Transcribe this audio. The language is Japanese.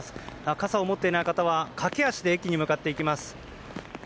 傘を持っていない方は駆け足で駅に向かっていきます。